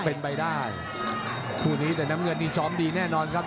เป็นไปได้คู่นี้แต่น้ำเงินนี่ซ้อมดีแน่นอนครับ